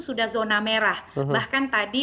sudah zona merah bahkan tadi